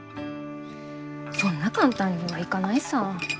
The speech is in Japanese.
そんな簡単にはいかないさ。